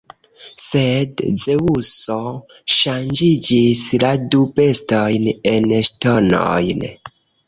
Sed Zeŭso ŝanĝiĝis la du bestojn en ŝtonojn.